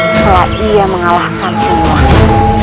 setelah ia mengalahkan siliwangi